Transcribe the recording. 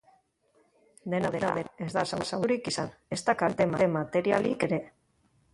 Dena dela, ez da zauriturik izan, ezta kalte materialik ere.